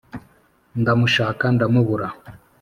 Ndamushaka ndamubura.